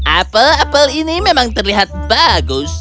apel apel ini memang terlihat bagus